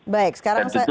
baik sekarang saya